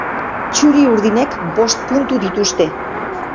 Txuri-urdinek bost puntu dituzte.